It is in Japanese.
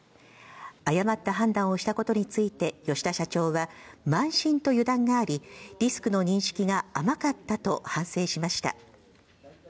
誤った判断をしたことについて、吉田社長は、慢心と油断があり、リスクの認識が甘かったと反省しました。